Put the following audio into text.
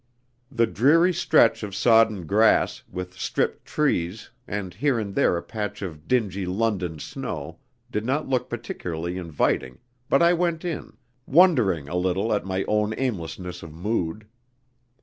The dreary stretch of sodden grass, with stripped trees, and here and there a patch of dingy London snow, did not look particularly inviting, but I went in, wondering a little at my own aimlessness of mood.